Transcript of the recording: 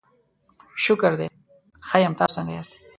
شکر دی، ښه یم، تاسو څنګه یاست؟